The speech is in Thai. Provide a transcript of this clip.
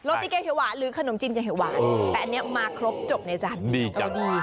โรตี้แกงเขียวหวานหรือขนมจีนแกงเขียวหวานแต่อันนี้มาครบจบในจานนี้ดีจัง